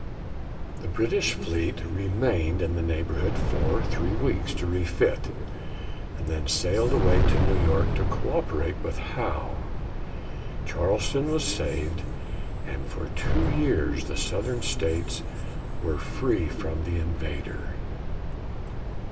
The British fleet remained in the neighborhood for three weeks to refit and then sailed away to New York to coöperate with Howe. Charleston was saved and for two years the Southern States were free from the invader.